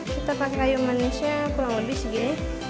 kita pakai kayu manisnya kurang lebih segini